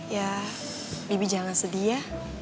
ya bibi jangan sedih ya